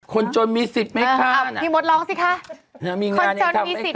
คนจนมีสิทธิ์ไหมข้าพี่มดร้องซิค่ะอ่ามีงานนี่ค่ะ